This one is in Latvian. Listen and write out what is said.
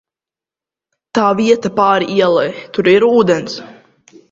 Tā vieta pāri ielai, tur ir ūdens?